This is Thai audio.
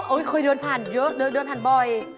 เคยเดินผ่านเยอะเดินผ่านบ่อย